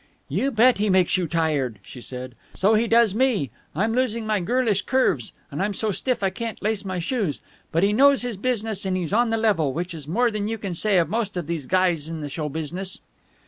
"You bet he makes you tired," she said. "So he does me. I'm losing my girlish curves, and I'm so stiff I can't lace my shoes. But he knows his business and he's on the level, which is more than you can say of most of these guys in the show business."